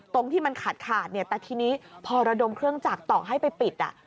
ตรงที่มันขาดขาดเนี่ยแต่ทีนี้พอระดมเครื่องจักรต่อให้ไปปิด